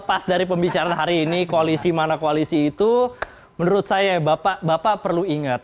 jadi dari pembicaraan hari ini koalisi mana koalisi itu menurut saya bapak perlu ingat